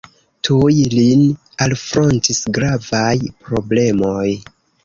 Tuj lin alfrontis gravaj problemoj.